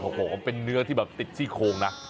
โอ้โหเป็นเนื้อที่แบบติดซี่โครงนะ